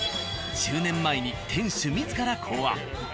１０年前に店主自ら考案。